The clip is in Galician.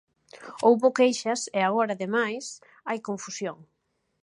Houbo queixas e agora, ademais, hai confusión.